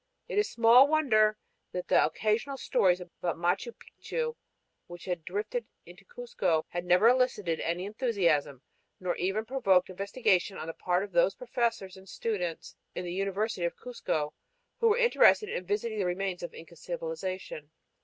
It is small wonder that the occasional stories about Machu Picchu which had drifted into Cuzco had never elicited any enthusiasm nor even provoked investigation on the part of those professors and students in the University of Cuzco who were interested in visiting the remains of Inca civilization.